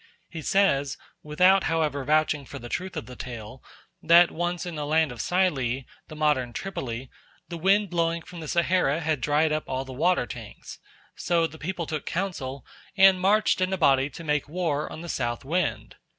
He says, without however vouching for the truth of the tale, that once in the land of the Psylli, the modern Tripoli, the wind blowing from the Sahara had dried up all the water tanks. So the people took counsel and marched in a body to make war on the south wind.